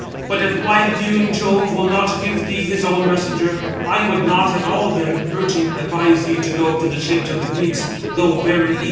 But if wide viewing Jove will not give thee his own messenger, I would not at all then, urging, advise thee to go to the ships of the Greeks, though very eager."